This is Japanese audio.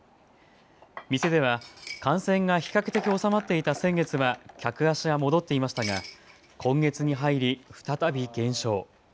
店では感染が比較的収まっていた先月は客足が戻っていましたが今月に入り、再び減少。